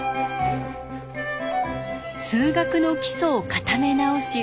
数学の基礎を固め直し